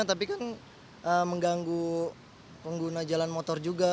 tapi kan mengganggu pengguna jalan motor juga